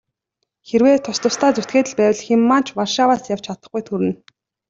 Хэрвээ тус тусдаа зүтгээд л байвал хэн маань ч Варшаваас явж чадахгүйд хүрнэ.